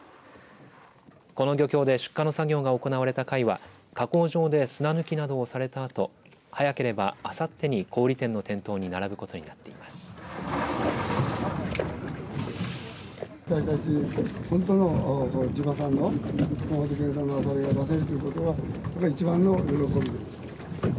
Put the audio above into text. この状況で出荷の作業が行われた貝は加工場で砂抜きなどをされた後、早ければあさってに小売店の店頭に並ぶことになっています。